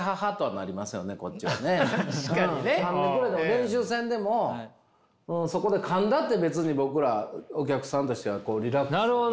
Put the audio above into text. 練習せんでもそこでかんだって別に僕らお客さんとしてはリラックスするというか。